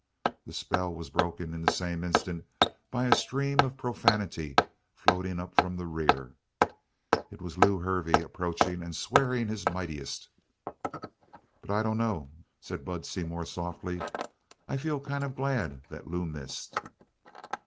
The spell was broken in the same instant by a stream of profanity floating up from the rear. It was Lew Hervey approaching and swearing his mightiest. "But I dunno," said Bud Seymour softly. "I feel kind of glad that Lew missed."